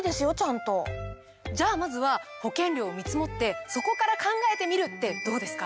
じゃあまずは保険料を見積ってそこから考えてみるってどうですか？